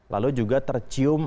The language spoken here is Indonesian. lalu juga tercium